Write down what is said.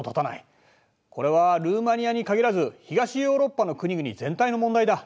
これはルーマニアに限らず東ヨーロッパの国々全体の問題だ。